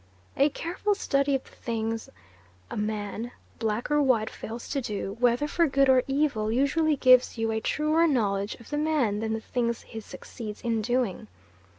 A careful study of the things a man, black or white, fails to do, whether for good or evil, usually gives you a truer knowledge of the man than the things he succeeds in doing.